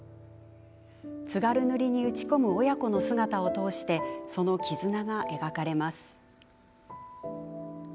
津軽塗に打ち込む親子の姿を通して、その絆が描かれます。